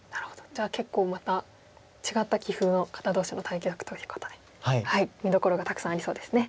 じゃあ結構また違った棋風の方同士の対局ということで見どころがたくさんありそうですね。